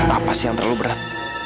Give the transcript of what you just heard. apa sih yang terlalu berat